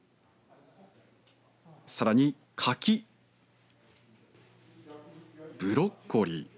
さらに柿ブロッコリー。